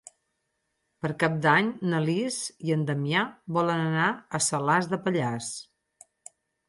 Per Cap d'Any na Lis i en Damià volen anar a Salàs de Pallars.